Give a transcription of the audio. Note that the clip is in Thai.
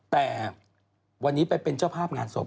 แต่วันนี้ไปเป็นเจ้าภาพงานศพ